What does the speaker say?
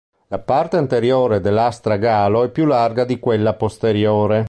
La parte anteriore dell'astragalo è più larga di quella posteriore.